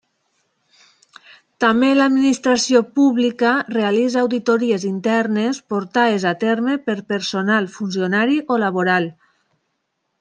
També l'administració pública realitza auditories internes portades a terme per personal funcionari o laboral.